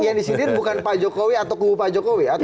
jadi yang disini bukan pak jokowi atau kubu pak jokowi